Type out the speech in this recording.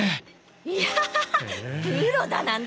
いやプロだなんて。